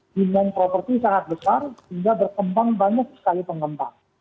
dengan properti sangat besar hingga berkembang banyak sekali pengembang